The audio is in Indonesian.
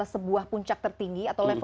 sebuah puncak tertinggi